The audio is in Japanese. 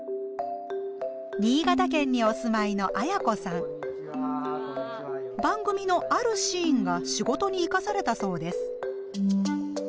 新潟県にお住まいの番組のあるシーンが仕事にいかされたそうです。